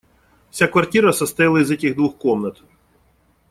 Вся квартира состояла из этих двух комнат.